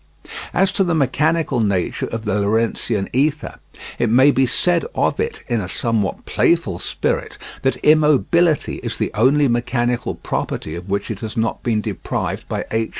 As to the mechanical nature of the Lorentzian ether, it may be said of it, in a somewhat playful spirit, that immobility is the only mechanical property of which it has not been deprived by H.